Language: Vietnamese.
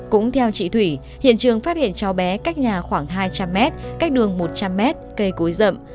cũng theo chị thủy hiện trường phát hiện cháu bé cách nhà khoảng hai trăm linh m cách đường một trăm linh m cây cối rậm